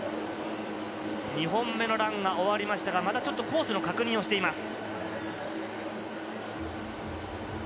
２本目のランが終わりましたが、まだちょっとコースの確認をしています。